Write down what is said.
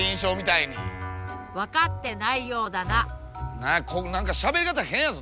何や何かしゃべり方変やぞ。